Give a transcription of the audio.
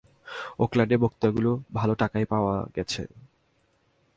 ওকল্যাণ্ডে বক্তৃতাগুলি ভাল টাকাই পাওয়া গেছে।